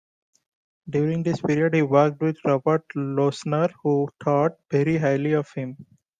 During this period he worked with Robert Lochner, who thought very highly of him.